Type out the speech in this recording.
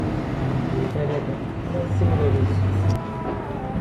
Predator" for similar reasons.